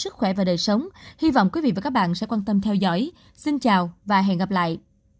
cảm ơn các bạn đã theo dõi và hẹn gặp lại